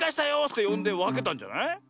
ってよんでわけたんじゃない？